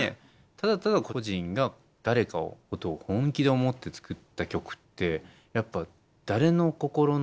ただただ個人が誰かのことを本気で思って作った曲ってやっぱ誰の心の何ていうのかなこれ。